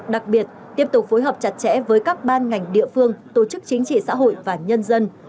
đặc biệt tiếp tục phối hợp chặt chẽ với các ban ngành địa phương tổ chức chính trị xã hội và nhân dân